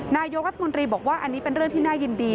นายกรัฐมนตรีบอกว่าอันนี้เป็นเรื่องที่น่ายินดี